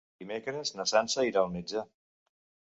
Dimecres na Sança irà al metge.